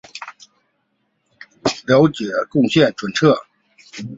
上海分行也继而被被清理。